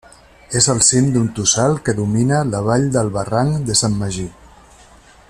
És al cim d'un tossal que domina la vall del barranc de Sant Magí.